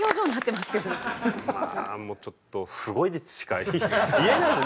まあもうちょっと「すごいです」しか言えないですよ。